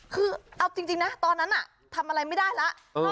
คือเอาจริงนะตอนนั้นทำอะไรไม่ได้แล้ว